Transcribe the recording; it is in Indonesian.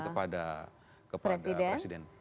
kemudian akan di silakan kepada presiden